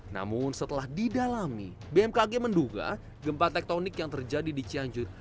namun setelah didalami bmkg menduga gempa tektonik yang terjadi di cianjur